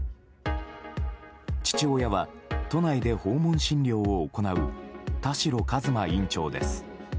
父親は都内で訪問診療を行う田代和馬院長です。